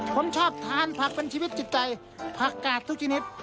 ผมชอบทานผักเป็นชีวิตจิตใจผักกาดทุกชนิด